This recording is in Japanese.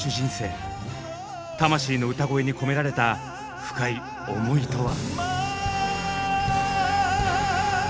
魂の歌声に込められた深い思いとは？